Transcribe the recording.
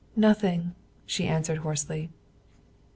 "Nothing," she answered hoarsely.